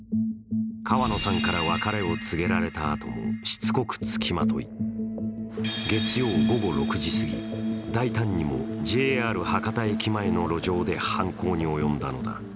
川野さんから別れを告げられたあともしつこくつきまとい、月曜午後６時すぎ、大胆にもＪＲ博多駅前の路上で犯行に及んだのだ。